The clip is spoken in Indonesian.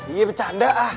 iya becanda ah